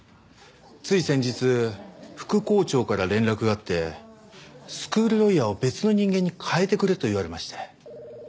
つい先日副校長から連絡があって「スクールロイヤーを別の人間に代えてくれ」と言われまして。